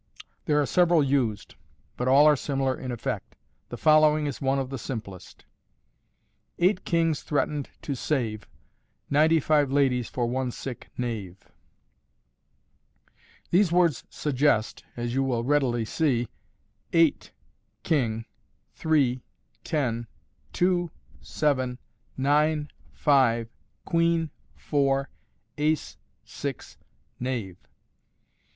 There are several used, but all are similar in effect. The following is one of the simplest :— M Eight kings threatened to save Ninety five ladies for one sick knave,* These words suggest, as you will readily see, eight, king, three, ten, two, seven, nine, five, queen, four, ace, six, knave.